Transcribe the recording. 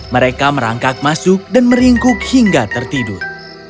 mereka merangkak masuk dan meringkuk hingga tertidur